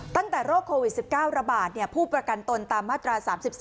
ตั้งแต่โรคโควิด๑๙ระบาดผู้ประกันตนตามมาตรา๓๓